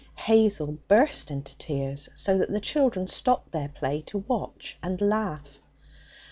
Hazel burst into tears, so that the children stopped their play to watch and laugh.